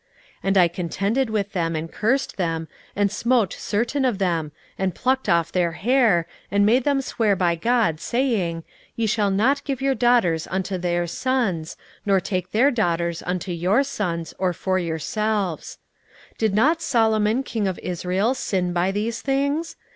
16:013:025 And I contended with them, and cursed them, and smote certain of them, and plucked off their hair, and made them swear by God, saying, Ye shall not give your daughters unto their sons, nor take their daughters unto your sons, or for yourselves. 16:013:026 Did not Solomon king of Israel sin by these things?